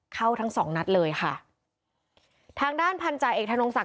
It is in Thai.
เข้าทั้งสองนัดเลยค่ะทางด้านพันธาเอกธนงศักด